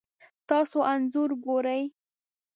تاسو انځور ګورئ